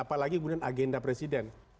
apalagi agenda presiden